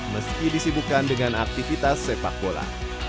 meski disibukan dengan aktivitas sepak bola